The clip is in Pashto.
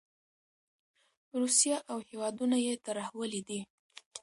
روسیه او هېوادونه یې ترهولي وو.